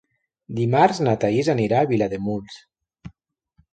Dimarts na Thaís anirà a Vilademuls.